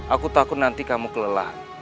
aku takut nanti kamu kelelahan